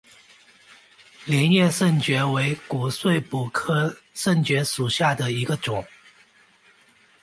镰叶肾蕨为骨碎补科肾蕨属下的一个种。